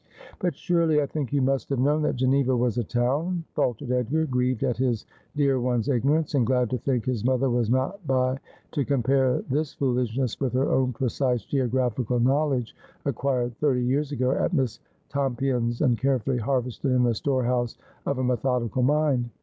' But, surely, I think you must have known that G eneva was a town,' faltered Edgar, grieved at his dear one's ignorance, and glad to think his mother was not by to compare this foolishness with her own precise geographical knowledge, acquired thirty years ago at Miss Tompion's, and carefully harvested in the store house of a methodical mind.